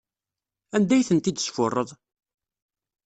Anda ay tent-id-tesfuṛeḍ?